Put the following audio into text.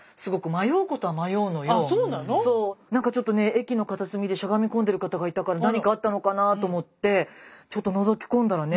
駅の片隅でしゃがみ込んでる方がいたから何かあったのかなと思ってちょっとのぞき込んだらね